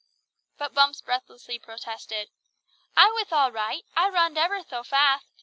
But Bumps breathlessly protested: "I wath all right. I runned ever so fatht.